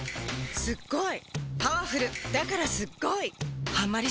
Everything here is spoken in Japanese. すっごいパワフルだからすっごいはまり